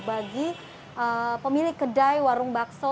bagi pemilik kedai warung bakso